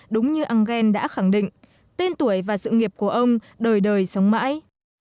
đúng như engel đã khẳng định tên tuổi và sự nghiệp của ông đời đời sống mãi